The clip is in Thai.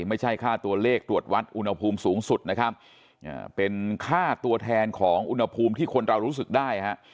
ไม่ใช่ค่าตัวเลขตรวจวัดอุณหภูมิสูงสุดนะครับเป็นค่าตัวแทนของอุณหภูมิที่คนเรารู้สึกได้ฮะ